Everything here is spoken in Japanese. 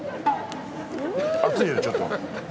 熱いねちょっと。